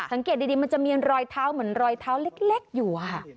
สังเกตดีมันจะมีรอยเท้าเหมือนรอยเท้าเล็กอยู่ค่ะ